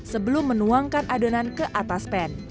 sebelum menuangkan adonan ke atas pan